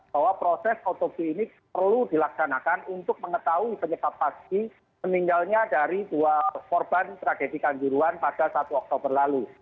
bahwa proses otopsi ini perlu dilaksanakan untuk mengetahui penyebab pasti meninggalnya dari dua korban tragedi kanjuruan pada satu oktober lalu